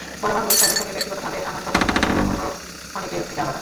বলা বাহুল্য, স্যারের সঙ্গে ব্যক্তিগতভাবে আমার সম্পর্কটা ছিল অন্য অনেকের থেকে আলাদা।